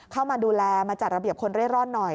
เข้ามาดูแลมาจัดระเบียบคนเร่ร่อนหน่อย